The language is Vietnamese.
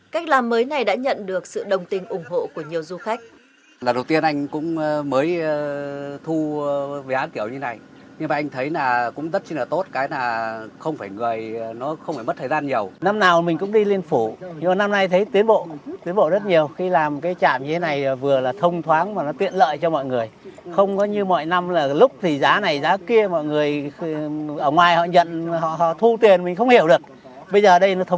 cách làm mới này đã được thiết lập cách làm mới này đã nhận được sự đồng tình ủng hộ của nhiều du khách